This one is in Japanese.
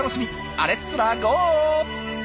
あレッツラゴー！